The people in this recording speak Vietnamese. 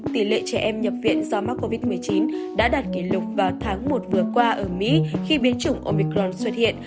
tỷ lệ trẻ em nhập viện do mắc covid một mươi chín đã đạt kỷ lục vào tháng một vừa qua ở mỹ khi biến chủng o micron xuất hiện